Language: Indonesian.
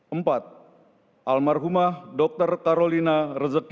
empat almarhumah dr carolina rezekis